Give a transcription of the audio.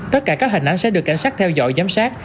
tất cả các hình ảnh sẽ được cảnh sát theo dõi giám sát